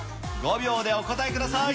５秒でお答えください。